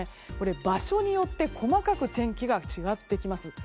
場所によって細かく天気が違ってきます。